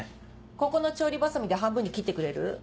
ここの調理バサミで半分に切ってくれる？